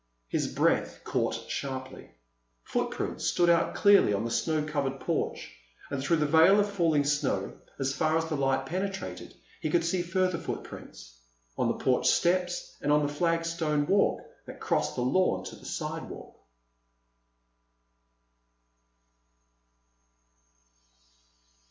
His breath caught sharply. Footprints stood out clearly on the snow covered porch. And through the veil of falling snow, for as far as the light penetrated, he could see further footprints—on the porch steps and on the flagstone walk that crossed the lawn to the sidewalk.